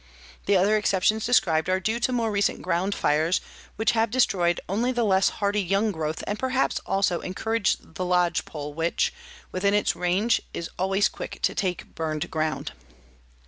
The other exceptions described are due to more recent ground fires which have destroyed only the less hardy young growth and perhaps also encouraged the lodge pole which, within its range, is always quick to take burned ground.